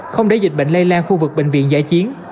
không để dịch bệnh lây lan khu vực bệnh viện giải chiến